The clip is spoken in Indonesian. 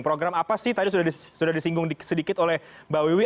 program apa sih tadi sudah disinggung sedikit oleh mbak wiwi